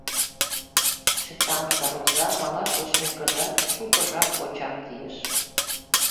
Чытамсыр оза малаш вочмекыжат, шуко жап почаҥ кийыш.